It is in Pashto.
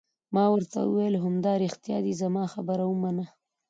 ما ورته وویل: همدارښتیا دي، زما خبره ومنه.